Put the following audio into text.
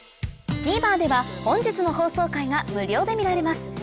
ＴＶｅｒでは本日の放送回が無料で見られます